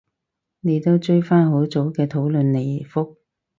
你都追返好早嘅討論嚟覆